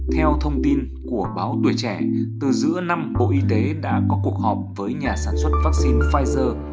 theo thông tin của báo tuổi trẻ từ giữa năm bộ y tế đã có cuộc họp với nhà sản xuất vaccine pfizer